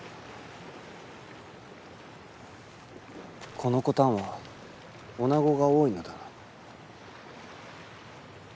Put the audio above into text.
このコタンは女子が多いのだな。